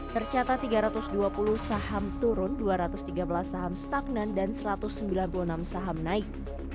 tercatat tiga ratus dua puluh saham turun dua ratus tiga belas saham stagnan dan satu ratus sembilan puluh enam saham naik